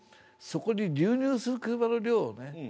そこに流入する車の量をね